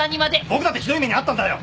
僕だってひどい目に遭ったんだよ！